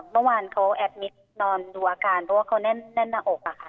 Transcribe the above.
เมื่อวานเขาแอดมิตรนอนดูอาการเพราะว่าเขาแน่นหน้าอกอะค่ะ